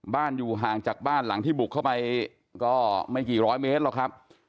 อยู่ห่างจากบ้านหลังที่บุกเข้าไปก็ไม่กี่ร้อยเมตรหรอกครับ